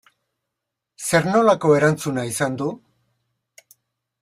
Zer nolako erantzuna izan du?